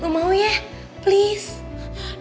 lo mau ya please